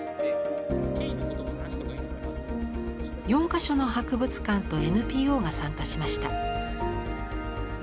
４か所の博物館とＮＰＯが参加しました。